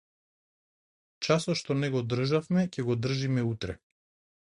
Часот што не го одржавме ќе го одржиме утре.